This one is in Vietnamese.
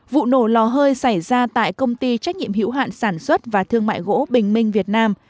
vụ nổ lò hơi xảy ra tại công ty trách nhiệm hữu hạn sản xuất và thương mại gỗ bình minh việt nam